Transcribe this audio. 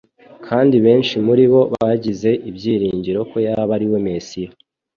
kandi benshi muri bo bagize ibyiringiro ko yaba ariwe Mesiya.